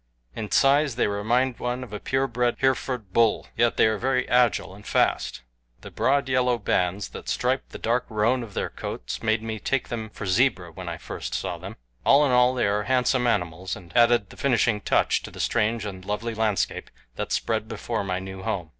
In size they remind one of a pure bred Hereford bull, yet they are very agile and fast. The broad yellow bands that stripe the dark roan of their coats made me take them for zebra when I first saw them. All in all they are handsome animals, and added the finishing touch to the strange and lovely landscape that spread before my new home.